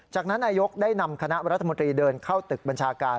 จากนั้นนายกได้นำคณะรัฐมนตรีเดินเข้าตึกบัญชาการ